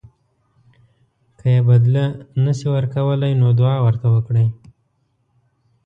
که یې بدله نه شئ ورکولی نو دعا ورته وکړئ.